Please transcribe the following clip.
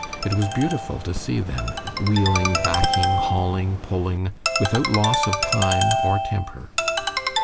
It was beautiful to see them, wheeling, backing, hauling, pulling, without loss of time or temper.